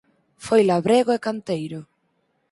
Foi labrego e canteiro.